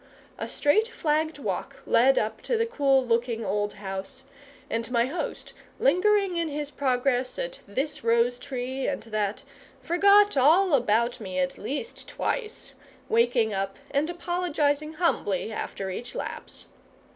A straight flagged walk led up to the cool looking old house, and my host, lingering in his progress at this rose tree and that, forgot all about me at least twice, waking up and apologising humbly after each lapse.